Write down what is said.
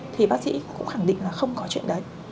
thì bác sĩ cũng khẳng định là không có chuyện đấy